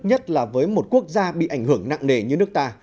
nhất là với một quốc gia bị ảnh hưởng nặng nề như nước ta